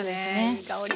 いい香り！